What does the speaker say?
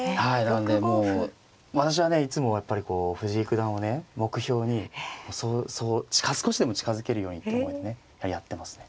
なんでもう私はねいつもはやっぱりこう藤井九段をね目標にそう少しでも近づけるようにって思いでねやってますね。